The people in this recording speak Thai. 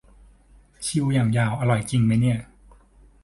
คิวอย่างยาว อร่อยจริงไหมเนี่ย